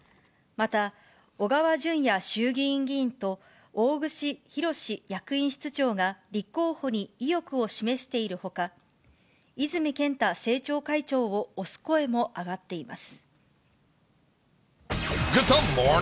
また小川淳也衆議院議員と、大串博志役員室長が立候補に意欲を示しているほか、泉健太政調会長を推す声も上がっています。